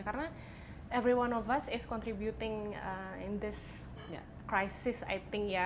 karena semua kita berkontribusi dalam krisis ini